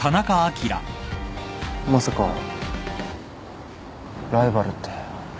まさかライバルって。